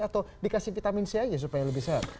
atau dikasih vitamin c aja supaya lebih sehat